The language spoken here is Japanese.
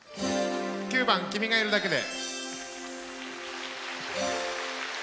９番「君がいるだけで」。